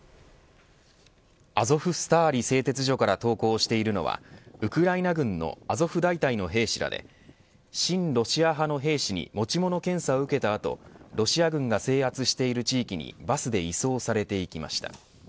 アゾフスターリ製鉄所から投降しているのはウクライナ軍のアゾフ大隊の兵士らで親ロシア派の兵士に持ち物検査を受けた後ロシア軍が制圧している地域にバスで移送されていきました。